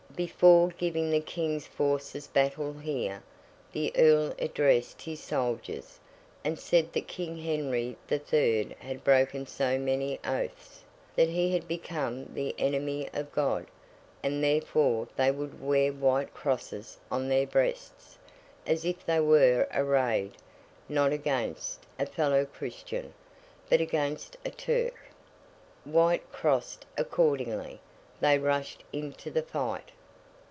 Before giving the King's forces battle here, the Earl addressed his soldiers, and said that King Henry the Third had broken so many oaths, that he had become the enemy of God, and therefore they would wear white crosses on their breasts, as if they were arrayed, not against a fellow Christian, but against a Turk. White crossed accordingly, they rushed into the fight.